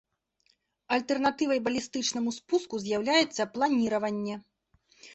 Альтэрнатывай балістычнаму спуску з'яўляецца планіраванне.